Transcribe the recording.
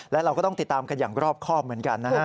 และเราก็ต้องติดตามกันอย่างรอบครอบเหมือนกันนะฮะ